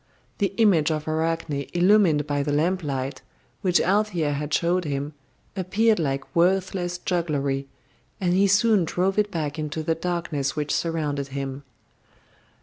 The image of Arachne illumined by the lamplight, which Althea had showed him, appeared like worthless jugglery, and he soon drove it back into the darkness which surrounded him.